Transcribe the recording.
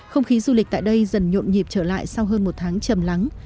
không khí du lịch tại đây dần nhộn nhịp trở lại sau hơn một tháng chầm lắng